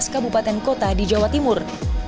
tiga belas kabupaten kota di jawa timur